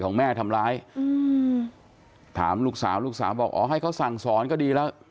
ของแม่ทำร้ายอืมถามลูกสาวลูกสาวบอกอ๋อให้เขาสั่งสอนก็ดีแล้ว